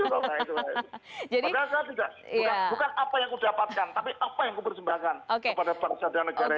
padahal saya tidak bukan apa yang aku dapatkan tapi apa yang aku persembahkan kepada persatuan negara ini